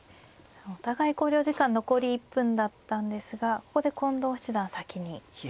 お互い考慮時間残り１分だったんですがここで近藤七段先に使いました。